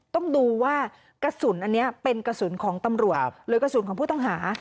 ต้องดูว่ากระสุนอันนี้เป็นกระสุนของตำรวจหรือกระสุนของผู้ต้องหา